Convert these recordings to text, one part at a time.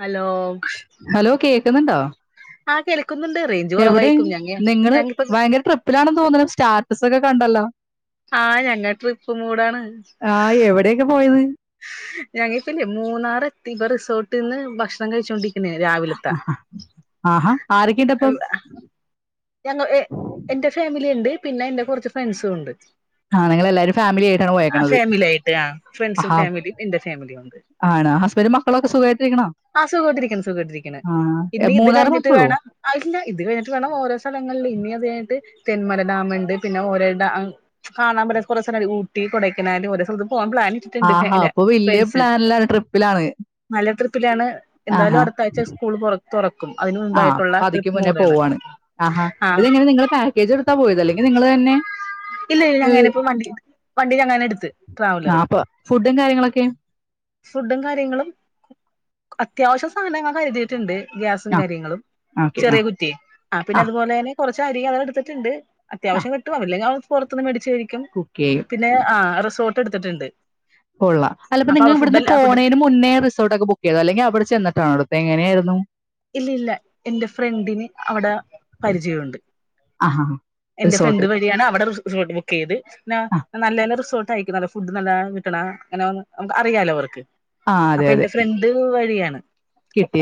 Hello hello കേക്കുന്നുണ്ടോ ആ കേ എവിടെ നിങ്ങള് ഞങ്ങിപ്പ ഭയങ്കര ട്രിപ്പിലാണെന്ന് തോന്നുന്ന് സ്റ്റാർ ബസൊക്കെ കണ്ടല്ലോ ആഹ ഞങ്ങ ട്രിപ്പ് മൂടാണ് ആ എവിടെയൊക്കെ പോയത് ഞങ്ങിപ്പില്ലെ മൂന്നാർ എത്തി റിസോർട്ടിൽ നിന്ന് ഭക്ഷണം കഴിച്ചോണ്ടിരിക്ക ആഹാ ആരൊക്കെണ്ടപ്പം ഞങ്ങ എന്റെ ഫാമിലി ഇണ്ട് പിന്നെ എന്റെ കുറച്ച് ഫ്രണ്ട്സും ഉണ്ട് ആ നിങ്ങൾ എല്ലാരും ഫാമിലി ആയിട്ടാണ് ആ പോയേക്കണത് ഫാമിലി ആയിട്ട് ആ ഫ്രണ്ട്സും ആഹാ ഫാമിലിയും എന്റെ ഫാമിലിയും ഉണ്ട് ആണ് ഹസ്ബൻഡും മക്കളൊക്കെ സുഖമായിട്ടിരിക്കണോ ആ സുഖാട്ടിരിയ്ക്ക്ന്ന് സുഖോട്ടിരിക്കണ് ആ എ, ഇനി ഇത് മൂന്നാറ് കഴിഞ്ഞിട്ട് മാത്രമേ ഉള്ളൂ വേണം അല്ല ഇത് കഴിഞ്ഞിട്ട് വേണം ഓരോ ഇനി അത് കയിഞ്ഞിട്ട് തെന്മല ഡാം ഉണ്ട് പിന്നെ ഓരോ ഡ കാണാൻ പറ്റണ കുറെ സ്ഥല ഊട്ടി കൊടൈക്കനാൽ ഓരോ സ്ഥല പോവാൻ പ്ലാനിട്ടിട്ടുണ്ട് ആഹാ [unintelligible] അപ്പൊ വലിയ ഫ്രണ്ട്സ് പ്ലാനിലാണ് ട്രിപ്പിലാണ് നല്ല ട്രിപ്പിലാണ് എന്തായാലും ആഹാ അടുത്ത ആഴ്ച സ്കൂൾ തുറ തുറ അതിന് ആ മുമ്പായിട്ടുള്ള അപ്പൊ അതിക്ക് ട്രിപ്പ് മുന്നേ മോഡാണ് പോവാണ് ആഹാ ഇതെങ്ങനെ നിങ്ങ പാക്കേജ് എടുത്താ പോയത് ല്ലെ ഇനി നിങ്ങള് തന്നെ ഇല്ലില്ല ഏ, ഞങ്ങാനെ ഇപ്പോ വണ്ടി വണ്ടി ഞങ്ങാനെ എടുത്ത് ട്രാവലർ ആ അപ്പൊ ഫുഡും കാര്യങ്ങളൊക്കെ ഫുഡും കാര്യങ്ങളും അത്യാവശ്യം സാധനങ്ങ കരുതിയിട്ടുണ്ട് ഗ്യാസും ആ കാര്യങ്ങളും ഓക്കെ ആ ചെറിയ കുറ്റി ആ പിന്നെ അതുപോലെ തന്നെ കുറച്ചരി അതെടുത്തിട്ടുണ്ട് ആ അത്യാവശ്യം കെട്ടോ അല്ലെങ്കി ഞാൻ പുറത്തുന്ന് മേടി ശെരിക്കും കുക്ക് ചെയ്യും പിന്നെ ആ റിസോ എടുത്തിട്ടുണ്ട് കൊള്ളാം അല്ല അപ്പൊ അവ നിങ്ങേ ഫുഡ് ഇവിടുന്ന് ഫുഡ് പോണേനും മുന്നേ റിസോർട്ടൊക്കെ ബുക്ക് ചെയ്തോ അല്ലെങ്കിൽ അവിടെ ചെന്നിട്ടാണോ എങ്ങനെയായിരുന്നു ഇല്ലില്ല എന്റെ ഫ്രണ്ടിന് അവിടെ പരിചയമുണ്ട് ആഹാ എന്റെ റിസോർട്ട് ഫ്രണ്ട് വഴിയാണ് അവിടെ റിസോ റിസോർട് ബുക്ക് ചെയ്ത് ആ നല്ല ഒരു റിസോർട് കഴിക്കണ നല്ല ഫുഡ് നല്ല കിട്ടണ അങ്ങനെ ന അറിയാലോ അവർക്ക് ആ അതെ അപ്പൊ അതെ എന്റെ ഫ്രണ്ട് വഴിയാണ്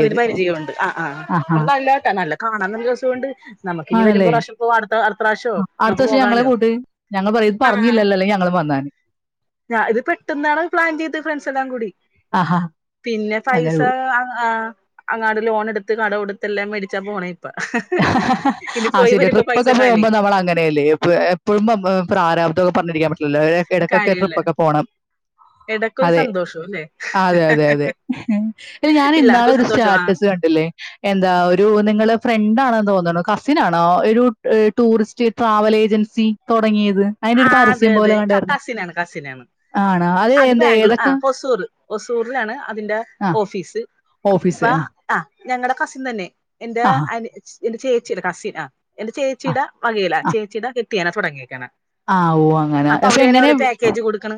അതിന് പരിചയമുണ്ട് ആഹ് ആഹാ ആഹ് നല്ലാട്ടാ നല്ല കാ നാന്നൊരു രുവസം കൊണ്ട് നമുക്ക് ഇനി വരുമ്പോ ആണല്ലേ പ്രാവശ്യം അടുത്ത പ്രാവശ്യോ ആ, അടുത്ത നമുക്ക് വർഷം ഞങ്ങളെ പോകാലോ കൂട്ട് ഞങ്ങൾ പറയും ഇത് പറഞ്ഞില്ലല്ലോ അല്ലെങ്കിൽ ഞങ്ങൾ വന്നാണ് ഇത് പെട്ടെന്നാണ് പ്ലാൻ ചെയ്ത് ഫ്രണ്ട് എല്ലാം കൂടി ആഹാ പിന്നെ അങ്ങനെ പൈസ പോയി അങ്ങാട് ലോൺ ത്ത് കട കൊടുത്തെല്ലാം മേടിച്ചാ പോണെ ആ ശരിയ പൈസ ട്രിപ്പൊക്കെ കാലി പോകുമ്പോ നമ്മൾ അങ്ങനെയല്ലേ എപ്പൊ എപ്പോഴും പ്രാരാബ് പറഞ്ഞിരിക്കാ ലേ എടക്കക്കേ കാര്യമില്ല ട്രിപ്പൊക്കെ പോണം ഇടക്കൊരു അതേ സന്തോഷം അല്ലെ ആ അതെ അതെ അതെ പിന്നെ ഞാൻ പിള്ളേർക്കൊരു ഇന്നാളൊരു സന്തോഷം ആ സ്റ്റാറ്റസ് കണ്ടില്ലേ എന്താ ഒരു നിങ്ങള് ണ്ടാണന്ന് തോന്നണു കസിൻ ആണോ ഒരു ടൂറിസ്റ്റ് ട്രാവൽ ഏജൻസി തുടങ്ങിയത് അതിന്റെ ആ ഒരു അതെ പരസ്യം പോലെ അതെ ക കണ്ടായിരുന്നു. കസിനാണ് കസിനാണ് ആണോ? അത് എന്ത് ബാംഗ്ലൂർ ആ ഏതൊക്കെ ഹുസൂർ ഹുസൂറിലാണ് അതിന്റെ ആ ഓഫീസ് ഓഫീസ് ആ ഞങ്ങളുടെ കസിൻ തന്നെ എന്റെ ആഹാ. അനി എന്റെ ചേച്ചിടെ കസിൻ എന്റെ ആ. ചേച്ചീട വകയില ആ. ചേച്ചീടെ കെ തിയാണ് തുടങ്ങിയെക്കണ ആ ഓ അങ്ങനെ അപ്പൊ എങ്ങനെ പാക്കേജ് കൊടുക്കണ്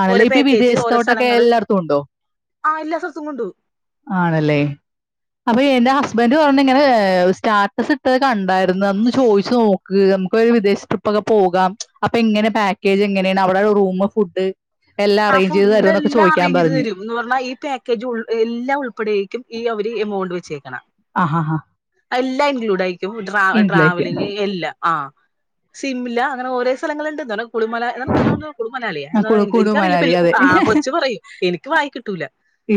ആണല്ലേ ഓരോ ഇപ്പൊ പാക്കേജ് ഓരോ വിദേശത്തോട്ടൊക്കെ സ്ഥലങ്ങള് എല്ലാടത്തും ഉണ്ടോ ആ എല്ലാ സ്ഥലത്തും കൊണ്ടു പോകും ആണല്ലേ അപ്പൊ എന്റെ ഹസ്ബൻഡ് പറഞ്ഞു ഇങ്ങനേ സ്റ്റാറ്റസ് ഇട്ടത് കണ്ടായിരുന്നു ഒന്ന് ചോദിച്ചു നോക്ക് നമുക്ക് ഒരു വിദേശ ട്രിപ്പ് ഒക്കെ പോകാം. അപ്പൊ എങ്ങനെ പാക്കേജ് എങ്ങനേണ് അവിടെ റൂമ് ഫുഡ് എല്ലാം ആഹ് അറേഞ്ച് ചെയ്ത് ഫുഡ് തരുമെന്നൊക്കെ എല്ലാം ചോദിക്കാൻ അറേഞ്ച് ചെയ്ത് പറഞ്ഞു തരും എന്ന് പറഞ്ഞാ ഈ പാക്കേജ് ഉൾ എല്ലാ ഉൾപ്പെടേക്കും ഈ അവര് എമൗണ്ട് വെച്ചേക്കണ ആഹാ ഹാ എല്ലാം ഇൻക്ലൂടായി രിക്കും. ട്രാ ഇംഗ്ലക്ക് ട്രാവലിങ് എല്ലാം ആഹ് സിംല അങ്ങനെ ഓരേ സ്ഥലങ്ങളിണ്ട് ഇങ്ങന കുളുമല എന്ന് പറയണ സ്ഥലമുണ്ടല്ലൊ കുളിമലാലിയ എന്താണ് കുണു എനിക്കറിയില്ല മണാലി പിള്ളെ അതെ ആഹ് കൊച്ചു പറയും എനിക്ക് വായി കിട്ടൂല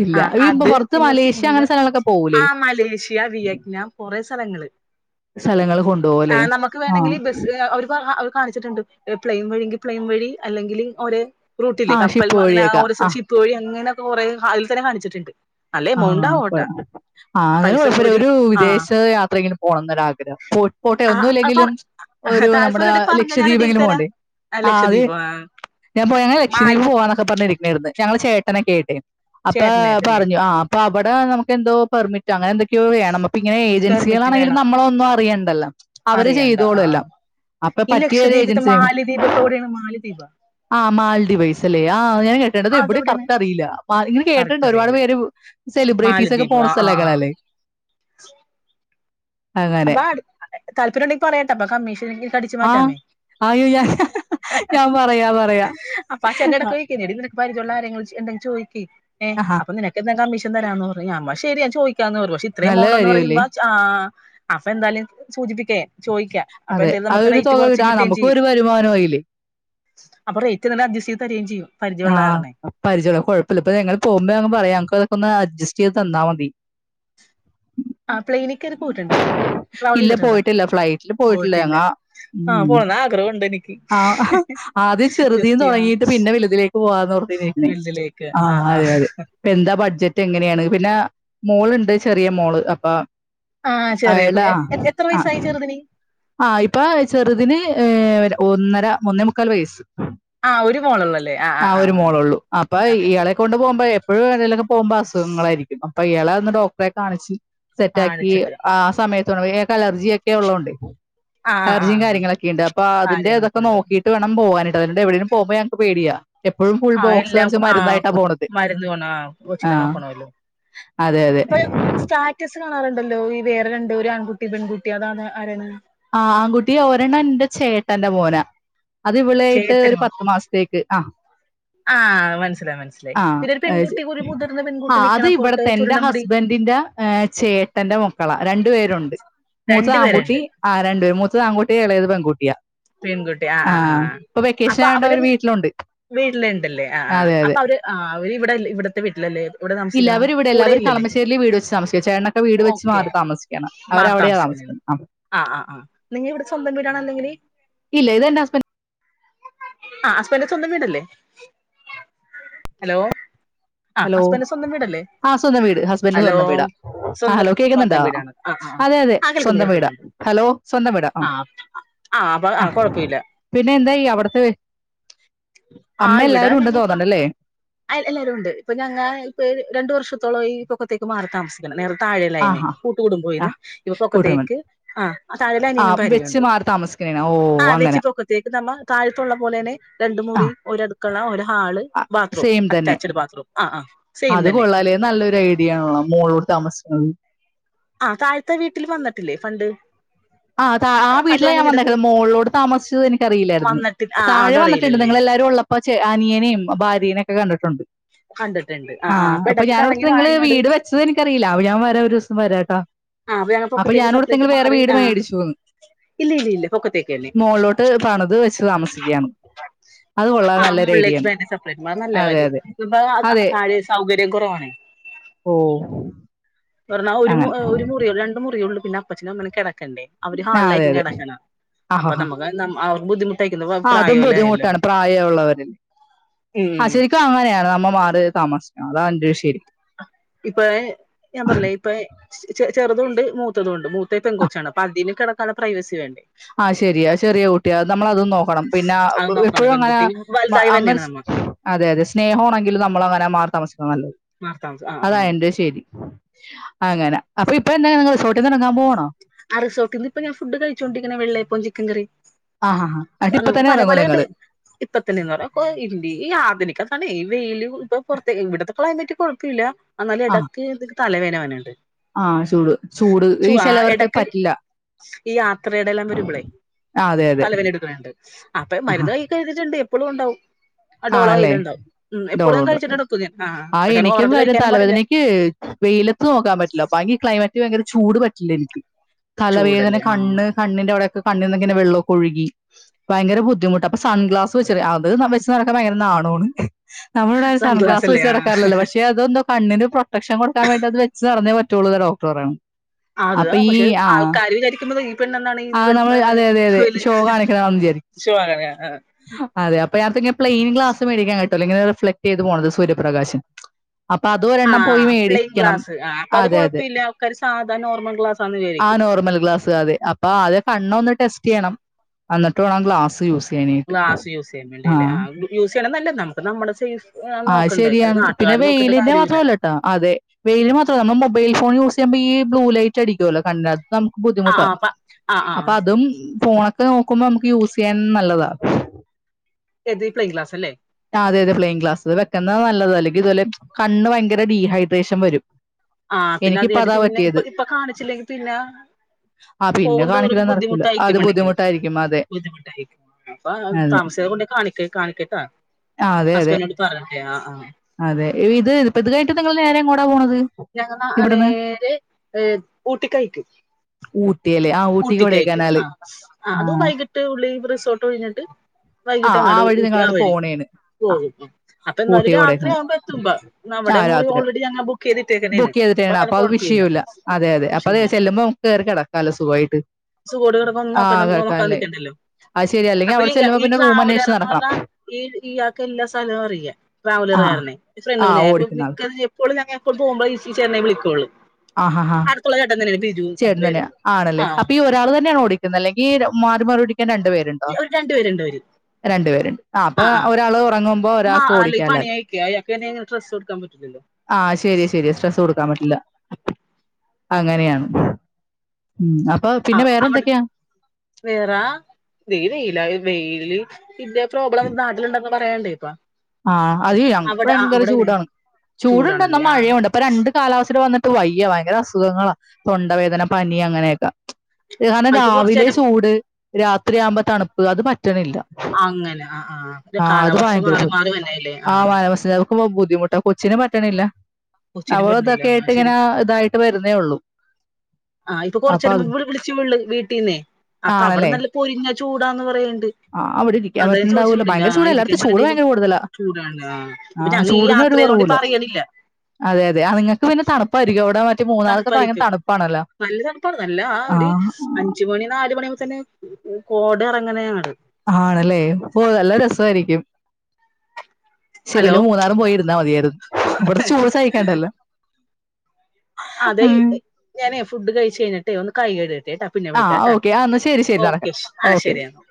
ഇല്ല ആഹ് ഇപ്പൊ അത് പുറത്ത് പിന്നെ മലേഷ്യ സിംല അങ്ങനെ സ്ഥലങ്ങളൊക്കെ പോകൂലേ ആ മലേഷ്യ വിയറ്റ്നാം സ്ഥലങ്ങള് സ്ഥലങ്ങള് കൊണ്ടോവുവല്ലേ ആഹ് കാണിച്ചിട്ടെണ്ട് പ്ലെയിൻ വഴിയെങ്കി പ്ലെയിൻ വഴി അല്ലെങ്കില് ഒരേ ആ റൂട്ടില്ലേ കപ്പൽ ഷിപ്പ് മാ അങ്ങനെ വഴിയൊക്കെ ഓരോ ആ [unintelligible] ഷിപ്പ് വഴി അങ്ങന കുറേ ഹതിൽ തന്നെ കാണിച്ചിട്ടെണ്ട്. ആഹ് കൊള്ളാം ആ എന്നാലും പൈസ കുഴപ്പൂല്ല ഒരു ഒരൂ ആ വിദേശ യാത്രെങ്കിലും പോണം എന്നൊരാഗ്രഹം. പോ പോട്ടെ ആ പറ ഒന്നുമല്ലെങ്കിലും ഒരു നമ്മുടെ താല്പര്യംണ്ടെങ്കി പറഞ്ഞോ ഞാൻ ലക്ഷദ്വീപ് റെഡിയാക്കി എങ്കിലും തരാം പോകണ്ടേ. ആ അത് ലക്ഷദ്വീപ് ആ ഞാൻ പോയ ഞങ്ങള് മാൽ ലക്ഷദ്വീപ് പോവാന്നൊക്കെ പറഞ്ഞിരിക്കണേന്ന് ഞങ്ങളെ ചേ [unintelligible] അപ്പ ചേട്ടനായിട്ടല്ലേ പർഞ്ഞു ആഹ് അബടെ നമക്ക് എന്തോ പെർമിറ്റ്‌ അങ്ങനെന്തോക്കെയോ വേണം ഇങ്ങനെ പെർമിറ്റ് ഏജൻസികളാണെങ്കിലും വേണം നമ്മള് ഒന്നും അറിയണ്ടല്ലോ അവര് അറിയണ്ട ആ ചെയ്തോളും ആ എല്ലാം അപ്പ ഈ പറ്റിയ ഒര് ലക്ഷദ്വീപ്ത്തെ ഏജൻസിനെ കൊണ്ട് മാലദ്വീപ് ഒക്കെ എവിടെയാണ് മാലദ്വീപ ആഹ് മാൾഡിവൈസ് അല്ലേ ആഹ് അത് ഞാൻ കേട്ടേണ്ട് അത് എവിടെ അതെവിടെയാണ് കറക്റ്റ് അറിയില്ല. മാ ഇൻങ്ങനെ കേട്ട്ണ്ട് കറക്റ്റ് ഒര് പാട് അറിയില്ല പേര് സെലിബ്രീറ്റീസ് ഒക്കെ മാലദ്വീപ് പോണ ആ ആ ആ സ്ഥലങ്ങളല്ലേ അങ്ങനെ താല്പര്യ ഇണ്ടെങ്കി പറയട്ടോ ഇപ്പൊ കമ്മിഷ അടിച്ച് ആ മാറ്റാമേ അയ്യോ ഞാൻ [unintelligible] ഞാൻ പറയാ പറയാ ചോയിക്ക് ഏ ആഹാ അപ്പൊ നിനക്കെന്താ കമ്മീഷ ക്കെന്തരാന്ന് പറ [unintelligible] ശരിയാ ചോയി [unintelligible] പക്ഷെ ഇത്രയും നല്ല എമൗണ്ടെന്ന് കാര്യമല്ലേ പറയുമ്പൊ ചാ അപ്പൊ എന്താലും സൂചിപ്പിക്കേ ചോയിക്കാ അപ്പൊ അതെ എന്തേലും ആ നമ്മക്ക് ഒരു റേറ്റ് തുക കൊറച്ചും വിടാ കിട്ടുവേം നമുക്കും ചെയ്യും ഒരു വരുമാനമായില്ലേ അപ്പൊ റേറ്റിങ്ങനെ അഡ്ജസ്റ്റ് ചെയ്ത് തരികേം ചെയ്യുവാ ആ പരിചയൊളള കൊഴപ്പില്ല ഇപ്പൊ ദേ ഞങ്ങള് [unintelligible] ജസ്റ്റ് യ്ത് തന്നാ മതി ഇല്ല പോയിട്ടില്ല ഫ്ലൈറ്റില് പോയിട്ടില്ല ഞങ്ങ ഉം ആഹ് [unintelligible] [unintelligible] ആ അതെ അതെ എന്താ ബഡ്ജറ്റ് എങ്ങനെയാണ് പിന്നെ മോളുണ്ട് ചെറിയ മോള് അപ്പൊ ആ ചെറിയ അയ്ല കുഞ്ഞ എത്ര ആ വയസ്സായി ചെറുതിന് ആ ഇപ്പൊ ചെറുതിന് ഏ ഒന്നര മൂന്നേ മുക്കാൽ വയസ്സ് ആ ഒരു മോളൊളളൂ അല്ലേ ആ ഒരു മോളൊള്ളൂ അപ്പൊ ഇയാളെ കൊണ്ടു പോവുമ്പയെ പഴു ആരേലൊകെ പോവുമ്പം അസുഖങ്ങളായിരിക്കുന്നു പ്പൊ ഇയാളെ ഒന്ന് ഡോക്ട്റെ കാണിച്ച് സെറ്റാക്കി കാണിച്ചിട്ട് ആ സമയ [unintelligible] ക്കലർജിയൊക്കെയൊള്ളോണ്ടേ ആ ആ ആ അലർജിയും ആ കാര്യങ്ങളൊക്കെ ഇണ്ട് അപ്പൊ അതിന്റെ ഇതൊക്കെ കാര്യങ്ങളൊക്കെ ഉണ്ട് നോക്കിയിട്ട് വേണം പോവാനാ [unintelligible] എവിടേലും പോവുമ്പോ ഞങ്ങക്ക് പേടിയാ ഫുൾ ആ ബോക്സ് എല്ലാം നിറച്ച് ആ മരുന്നായിട്ടാ പോണത് മരുന്ന് കൊണ്ട് ആ ആ കൊച്ചിനെ നോക്കണല്ലോ അതെ അതെ കാണാറുണ്ടല്ലോ ഈ വേറെ രണ്ട് ഒരു ആൺകുട്ടി പെൺകുട്ടി അതാണ് ആരാണ് ആ ആൺകുട്ടി ഒരെണ്ണം എന്റെ ചേട്ടന്റെ മോനാ അത് ഇവളായിട്ട് ഒരു ചേട്ടനോ പത്തു മാസത്തേക്ക് ആ ആ മനസ്സിലായി മനസ്സിലായി ആ പിന്നെ ഒരു പെൺകുട്ടി ഒരു മുതിർന്ന ആ പെൺകുട്ടി അത് നിക്കണ ഫോട്ടോ ഇവിടത്തെ എന്റെ ചുരുണ്ട മുടി ഹസ്ബെൻഡിന്റെ ഏ ചേട്ടന്റെ മക്കളാ രണ്ടുപേരുണ്ട് മൂത്ത രണ്ടു ആൺകുട്ടി പേരുണ്ട് രണ്ട് വെ മൂത്തതാൺകുട്ടി എളയത് പെൺകുട്ടിയാ പെൺകുട്ടി ആ ആ ആ ഇപ്പൊ വെക്കേഷൻ അപ്പൊ ആയതുകൊണ്ട് അവര് അവർ വീട്ടിലുണ്ട് വീട്ടില്ണ്ടല്ലേ ആ ആ അതെ അതെ അപ്പൊ അവര് ആ അവര് ഇവിടലെ ഇവിടത്തെ വീട്ടിലല്ലേ ഇവിടെ ഇല്ല താമസിക്കണ അവര് ഇവിടെ അല്ലാ കൂടെ അവര് ഇല്ലല്ലേ കളമശ്ശേരില് വീട് വെച്ച് താമസിക്ക ചേട്ടനൊക്കെ വീട് വെച്ച് ഓക്കെ മാറി താമസിക്കാണ് അവര് മാറി വിടെയാ താമസിക്കുന്നത് താമസിക്കുന്നെ ആ ആ ആ നിങ്ങ ഇവിടെ സ്വന്തം വീടാണോ അല്ലെങ്കില് ഇല്ല ഇതന്റെറെ ഹസ്ബൻ ആ ഹസ്ബൻന്റെ സ്വന്തം വീടല്ലേ ഹലോ ആ ഹലോ ഹസ്ബൻന്റെ സ്വന്തം വീടല്ലേ ആ സ്വന്തം വീട് ഹസ്ബൻഡ് ഹലോ സ്വന്തം വീടാ ആ സ്വന്തം ഹലോ കേക്കുന്നുണ്ടാ സ്വന്തം വീടാണ് ആ ആ ആ അതെ അതെ ആ കേൾക്കുന്നു സ്വന്തം വീടാ കേൾക്കുന്നുണ്ട് ഹലോ സ്വന്തം വീടാ ആ ആ പിന്നെ എന്തായി അവിടുത്തെ ആ അമ്മ ഇവിടാ എല്ലാവരും ഉണ്ട് ഞങ്ങൾ ഇപ്പാ തോന്നണല്ലേ എല്ലാരും ഉണ്ട് ഇപ്പൊ ഞങ്ങ ഇപ്പൊ രണ്ട് വർഷത്തോളം ആയി ഈക്കത്തേക്ക് മാറി താമസിക്കണം നേരത്തെ ആ താഴെലൈനെ ഹാ കൂട്ട കൂടും ആ പോയിന്ന് ഇപ്പ കൂട്ടുകുടുംബം പൊക്കത്തേക്ക് ആ് താഴ ആ അനിയനും വെച്ച് ഭാര്യയുണ്ട് മാറി താമസിക്കണേന ഓ ആഹ് വെച്ചി അങ്ങനെ പൊക്കത്തേക്ക് നമ്മ താഴത്തുള്ള പോലെ തന്നെ രണ്ട് മുറി ഒരു അടുക്ക കളഓരാ ആ സെയിം തന്നെ ആഹ് ആഹ് സെയിം അത് തന്നെ കൊള്ളാല നല്ലൊരു ഐഡിയ ആണ മോളോട് താമസിക്കുന്നത് ആ താഴ്ത്തെ വീട്ടിൽ വന്നിട്ടില്ലേ പണ്ട് ആ ആ വീട്ടിലെ ഞാൻ വന്നേ മോളിലോട് താമസിച്ചത് എനിക്കറിയില്ലായിരുന്നു വന്നിട്ട് ആഹ് താഴെ വന്നിട്ടുണ്ട് അതറിയില്ലല്ലേ നിങ്ങൾ എല്ലാരും ഉള്ളപ്പോ അപ്പെ അനിയനെയും ഭാര്യനെയക്കെ കണ്ടിട്ടു ണ്ട് കണ്ടിട്ടുണ്ട് ആ ആഹ് ആഹ് അപ്പൊ ഇടക്ക് ഞാനടു കറങ്ങി വാ നിങ്ങള് ഇങ്ങട് വീട് വെച്ചത് എനിക്കറിയില്ല ഞാൻ വരാ ഒരു ദിവസം വരാംട്ടാ ആഹ് ഞങ്ങ അപ്പൊ പൊക്കത്തേക്ക് ഞാനവിടുത്തെ സെപ്പറേറ്റ് വേറെ മാറി വീട് ആഹ് മേടിച്ചു ഇല്ല ഇല്ല ഇല്ല പൊക്കത്തേക്കന്നെ മോകളിലോട്ട് പണിത് വെച്ച് താമസിക്കുകയാണ് അത് കൊള്ള ആ നല്ലൊരു ഐഡിയാണ് അതെ അതെ അ അതെ താഴെ സൗകര്യം കുറവാണ് ഓ പറഞ്ഞാൽ ഒരു അങ്ങനെ ഒരു മുറി രണ്ട് മുറിയ ഉഉള് പിന്നെ അപ്പച്ചനും അമ്മേ കിട അവര് ആ അതെ ഹാളിലാരിക്കും അതെ കിടക്കണെ അപ്പൊ ആഹാ നമുക്ക് അവർ ബുദ്ധിമുട്ട് അതും ബുദ്ധിമുട്ടാണ് പ്രായമുള്ളവരില് ആ ശരിക്കും അങ്ങനെയാണ് അമ്മ മാ താമസം ഇപ്പയെ ഞാൻ പറല് ഇപ്പൊ ചെറുതുംഉണ്ട് മൂത്തത് ഉണ്ട് മൂത്ത പെണ്ണ്കൊച്ചാണ് അപ്പോ അതിന് കിട പ്രൈവസി വേണ്ടേ ആഹ ശരിയ ചെറിയാ കുട്ടിയ നമ്മളതും നോക്കണം പിന്നെ അത് നോക്കണം എപ്പോഴും അങ്ങനെ പെൺകുട്ടി വലുതായി അങ്ങനെ വന്നെയാണ് നമ്മ അതെ അതെ സ്നേഹമാണങ്കിലും നമ്മൾ അങ്ങനെ മാറി താമസി നല്ലത് മാർത്താമസം ആ അതാ ആ എന്റെ ശരി അങ്ങനെ അപ്പൊ ഇപ്പൊ എന്താ നിങ്ങള് അര സോക്കിന്ന് ഇപ്പൊ ഞാൻ ഫുഡ് കഴിച്ചോണ്ടിരിക്കുന്നു വെള്ള അപ്പോം ചിക്കൻകറി ആഹ് ആഹ് എന്നിട്ട് ഇപ്പൊ നമുക്ക് തന്നെ പല ഇറങ്ങുവോ പല ഉണ്ട് നിങ്ങള് ഇപ്പത്തന്നെന്ന് പറ ഇ ഇന്ത്യ [unintelligible] ആധുനിക ആണേ ഈ വെയിൽ കൊണ്ട് ഇപ്പൊ പുറത്തെ ഇവിടത്തെ ക്ലൈമറ്റ് കൊഴപ്പമില്ല എന്നാല ആഹ് ഇടക്ക് ഇ തലവേദനയവനുണ്ട് ആഹ് ചൂട് ചൂട് ഈ ചുവ ചിലവർക്ക് ഇടക്ക് പറ്റില്ല ഈ യാത്രയുടെല്ലാം വരുമ്പോളേ ആഹ് അതെ അതെ തലവേദനഎടുക്കണുണ്ട് അപ്പൊ ആഹ് മരുന്ന് ആ കയിക്കണ്ടുണ്ട് എപ്പോളും ഉണ്ടാവും ആ ഡോള ആണല്ലേ കയ്യിലുണ്ടാവും ഉം എപ്പോഴും ഞാൻ ഡോളോണ്ട് കഴിച്ചിട്ട് എടുക്കും ഞാൻ ആ പക്ഷെ എനിക്കും ഓവറായിട്ട് വരും കഴിക്കാനും പാടില്ല തലവേദനക്ക് വെയിലത്ത് നോക്കാൻ പറ്റില്ല ബാക്കിക്ലൈമറ്റ് ഭയങ്കര ചൂട് പറ്റില്ല എനിക്ക് തലവേദന ചൂടല്ലേ ആ കണ്ണ് കണ്ണിന്റെ അവിടൊക്കെ കണ്ണിൽനിന്നക്കങ്ങനെ വെള്ളമൊക്കെ ഒഴുകി ഭയങ്കര ബുദ്ധിമുട്ടാ സൺ ഗ്ലാസ് വച്ചേരെ അത് ന ഒക്കെ [unintelligible] ഭയങ്കര നാണമാണ് നമ്മുടെ ഇവിടെ സൺ സൺഗ്ലാസ് ഗ്ലാസ് അല്ലേ വെച്ചോന്നും ആ നടക്കാറില്ലല്ലോ പക്ഷേ അതൊന്നും കണ്ണിന് പ്രൊട്ടക്ഷൻ കൊടുക്കാൻ അത് വച്ച് നടന്നേ പറ്റുള്ളൂ എന്ന് ഡോക്ടർ പറയുന്നു അത പക്ഷെ ആൾക്കാര് വിചാരിക്കുമ്പോ ആഹ നമ്മള് അതെ അതെ അതെ ഷോ കാണിക്കണ മാതിരി ആയിരിക്കും അതെ അപ്പൊ പ്ലെയിൻ ഗ്ലാസ്സ് മേടിക്കാൻ ക അല്ലെങ്കി അത് ഫ്ലക്ട് ചെയ്ത് പോണത് സൂര്യപ്രകാശം അപ്പൊ അത് ഒരെണ്ണം ആഹ പോയി പ്ലെയിങ് മേടിക്കണം. ക്ലാസ് ആ അപ്പൊ അത് അതെ അതെ. കൊഴപ്പമില്ല ആൾക്കാര് സാധാരണ നോർമൽ ക്ളാസ് ആണെന്ന് വിചാരിക്കും അപ്പ അത് കണ്ണ് ഒന്ന് ടെസ്റ്റ് ചെയ്യണം എന്നിട്ട് വേണം ഗ്ലാസ് യൂസ് ഗ്ലാസ് യൂസ് ചെയ്യാൻ ആ വേണ്ടിയല്ലേ യൂസ് ചെയ്യണ നല്ലത് നമുക്ക് നമ്മുടെ സേഫ് അത് നോക്കണ്ട് ശരിയാണ് പിന്നെ നാട്ടുകാര് നോക്കിട്ട് വെയിലിന്റെ കാര്യമില്ല മാത്രമല്ല കേട്ടോ അതെ വെയിൽ മാത്രമല്ല നമ്മുടെ മൊബൈയിൽ ഫോൺ യൂസ് [unintelligible] ഈ ബ്ലൂലൈറ്റ് അടിക്കുവല്ലോ കണ്ണിനക നമുക്ക് ആ ബുദ്ധിമുട്ടാ ആ പ ആ ആ അപ്പൊ അതും ഫോണൊ ഒക്കെ നോക്കുമ്പോ നമുക്ക് യൂസ് ചെയ്യാനും നല്ലതാ ഏത് പ്ലയിങ് ക്ലാസ് അല്ലേ ആ അതെ അതെ പ്ലെയിങ് ഗ്ലാസ് വെക്കുന്നത് നല്ലത് അല്ലെങ്കിൽ ഇതുപോലെ കണ്ണ് ഭയങ്കര ഡീഹൈഡ്രേഷൻ വരും ആ പിന്നെ എനിക്കിപ്പ അത് അതാ പിന്നെ പറ്റിയത്. ഇപ്പോ ഇപ്പൊ കാണിച്ചില്ലെങ്കി പിന്നെ ആ പിന്നെ പോകുന്നന്തോറും കാണിക്കലൊന്നും നടക്കൂല. അത് ബുദ്ധിമുട്ടായിരിക്കും വേണമെങ്കിൽ ബുദ്ധിമുട്ടായിരിക്കും. അതെ ബുദ്ധിമുട്ടും അപ്പൊ അതെ. താമസിയക്കാതെ കൊണ്ട് കാണിക്ക് കാണിക്കട്ടാ ആ അതെ അതെ ഹസ്ബൻഡിനോട് പറഞ്ഞിട്ടേ ആ ആ അതെ ഇ ഇ ഇതായിട്ട് നിങ്ങൾ നേരെ എങ്ങോടാ പോണത് ഞാൻ ഇവിടുന്ന്? നേരെ ഏർ ഊട്ടിക്കായിരിക്കും ഊട്ടിയല്ലേ? ആ ഊട്ടി ഊട്ടിക്കയക്കും കൊടൈക്കനാല്. ആ അത് വൈകിട്ട് ഉള്ളിൽ റിസോർട്ട് ഒഴിഞ്ഞിട്ട് ആ വൈകിട്ട് ആ അങ്ങട് വഴി ഊട്ടി ആ നിങ്ങളങ്ങട് വഴി പോണേണ്. ആ പോകും അപ്പൊ എന്തായാലും ഊട്ടി കൊടൈക്കനാല്. രാത്രി ആവുമ്പം എത്തുമ്പോ ആ നമ്മുടെ മുറി രാത്രി ഓൾറെഡി അങ്ങനെ ബുക്ക് ചെയ്തിട്ടേക്കണേണ് ബുക്ക് ചെയ്തിട്ട് ചെല്ലണം അങ്ങനെ അപ്പൊ അത് കുഴപ്പമില്ല വിഷയോല്ല അതെ അതെ അപ്പൊ അത് ചെല്ലുമ്പം സഖോട കടക്കന്നും ആ നോക്കണ്ട നോക്കാൻ കിടക്കാല്ലേ നിക്കണ്ടല്ലോ അത് ശരി അല്ലെങ്കിൽ അപ്പൊ അവിടെ ഈ ചെല്ലുമ്പോ ഈ പിന്നെ റൂം ട്രാവലർ അന്വേഷിച്ച് എന്ന് നടക്കണം പറഞ്ഞ ഈ ഇയാൾക്ക് എല്ലാ സ്ഥലവും അറിയ ആ ട്രാവലർകാരനെ ഫ്രണ്ട് ആ മണയാ ഓടിക്കുന്ന മിക്ക ആൾക്ക് എപ്പോഴും ഞ [unintelligible] ഇപ്പോപോവുമ്പോ ഈസി ചെന്നെ വിളിക്കുള്ളൂ അടുത്തള കട്ടാ ത [unintelligible] ചേട്ടതന്നെയ ആണല്ലേ അപ്പൊ ഈ ഒരാള തന്നെയാണോ ഓടിക്കുന്നത് അല്ലെങ്കി മാറി മാറി ഓടി രണ്ടു പേരുണ്ടോ ഒരു രണ്ടുപേരുണ്ട് അവര് രണ്ടു പേരുണ്ട് ആ അപ്പൊ ഒരാൾ ഉറങ്ങുമ്പോ മാ ഒരാൾക്ക് അല്ല ഈ പണി ഓടിക്കാലല്ലേ അയക്കുക അയാൾക്ക് തന്നെ ഡ്രസ്സ് കൊടുക്കാൻ പറ്റില്ലല്ലോ ആഹ ശരി ശരി സ്ട്രെസ് കൊടുക്കാൻ പറ്റില്ല അങ്ങനെയാണ് ഉം അപ്പൊ ആ പിന്നെ അവിടെ വേറെന്തൊക്കെയാ വേറാ നെയെയയില ഇ ഇതേ പ്രോബ്ലം നാട്ടിലിൻഡ പറയണ്ടേ ഇപ്പ ആഹ് അത്യ്യ അവിടെ ഭയങ്കര അവിടെല്ലേ ചൂടാണ് ചൂടുണ്ട് എന്നാ ചൂടാണല്ലേ ആ മഴയുണ്ട് അപ്പൊ രണ്ട് കാലാവസ്തെമ് കൂടെ വന്നിട്ട് വയ്യ ഭയങ്കര അസുഖങ്ങളാ തൊണ്ടവേദന പനി അങ്ങനെയൊക്കെ കാരണം ഇപ്പൊ കൊറച്ച് രാവിലെ നേരം ചൂട് രാത്രിയാകുമ്പോ തണുപ്പ് അത പട് അങ്ങനെ ആ ആ കാലാവസ്ഥ മാറി മാറി വന്നല്ലേ ആ ആ്മ [unintelligible] [unintelligible] ഉവ്വാ ബുദ്ധിമുട്ടാ കൊച്ചിനെ പ റ്റണില്ല കൊച്ചിനും അവള പറഞ്ഞില്ല ഇതൊക്കെട്ടേ ഇങ്ങനെ ഇതായിട്ട് വരുന്നേ ഉള്ളു ആഹ് ഇപ്പൊ കൊറച്ചെരുമ്പേ വിളിച്ചള്ളു വീട്ടീന്നെ അപ്പൊ അവിടെ നല്ല പോരിഞ്ഞ ചൂടാന്ന് പറയണ് ആഹ് അവിടെ ഇരിക്കാൻ അവിടുണ്ണ്ടാവൂലോ ഭയങ്കര ചൂട ഇരിക്കാൻ ല്ലാടത്തും ചൂട് പറ്റണില്ല ഭയങ്കര കൂടുതല ചൂടാണ് ആ ഇപ്പൊ ആഹ ഞങ്ങ ഈ ചൂടിനൊരു യാത്ര ചെയ്തോണ്ട് കുറവൂല്ല ഇപ്പ അറിയണില്ല അതെ അതെ ആ നിങ്ങക്ക് പിന്നെ തണുപ്പായിരിക്കും അവിടെ മൂന്നാറൊക്കെ ഭയങ്കര തണുപ്പായിരിക്കും തണുപ്പാണല്ലോ നല്ല തണുപ്പാണ് നല്ല ആ ഒരു അഞ്ചുമണി നാല മണിമുതലേ കോടെ ഇറങ്ങനയാണ് ആണല്ലേ ഓ നല്ല ഹലോ ശിവല് മൂന്നാറും പോയിരുന്നാ മതിയായിരുന്നു ഇവിടുത്തെ ചൂട് സഹിക്കാണ്ടല്ലോ അതെ ഞാനേ ഫുഡ് കഴിച്ച കഴിഞേ ഒന്ന് കായികായിക്ക് ട്ടാ പിന്നെ ആ വിളിക്കാ ട്ടോ ഓക്കെ ആ എന്നാ ശരി ശരി ഓക്കെ നടക്കട്ടെ ആ ഓക്കെ ശരിയെന്നോ